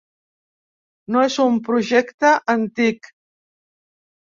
No és un projecte antic.